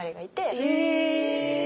へぇ。